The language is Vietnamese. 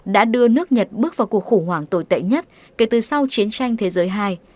đã đưa nước nhật bước vào cuộc khủng hoảng tồi tệ nhất kể từ sau chiến tranh thế giới i